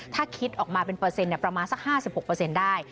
ถ้าคิดออกมาเป็นเปอร์เซ็นต์ประมาณสัก๕๖เปอร์เซ็นต์ได้